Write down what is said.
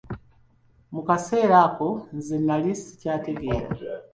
Mu kaseera ako, nze nali sikyategeera.